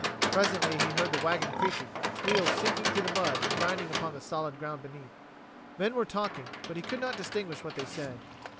Presently he heard the wagon creaking, its wheels sinking through the mud and grinding upon the solid ground beneath. Men were talking, but he could not distinguish what they said.